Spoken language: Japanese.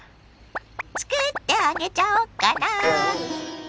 つくってあげちゃおっかな。